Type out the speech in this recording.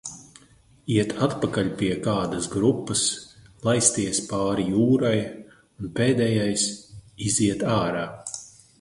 "Iet atpakaļ pie kādas grupas, laisties pāri jūrai un pēdējais, "iziet ārā"."